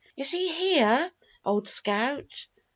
"Is he there, old scout?"